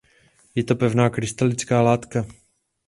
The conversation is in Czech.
Je to pevná a krystalická látka.